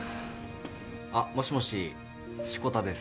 あっもしもし志子田です。